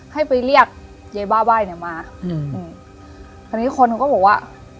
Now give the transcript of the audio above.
ให้ไปเรียกยายบ้าไหว้เนี้ยมาอืมอืมคราวนี้คนเขาก็บอกว่า